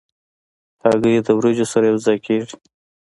هګۍ د وریجو سره یو ځای کېږي.